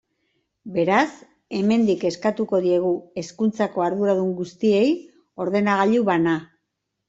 Beraz, hemendik eskatuko diegu hezkuntzako arduradun guztiei ordenagailu bana.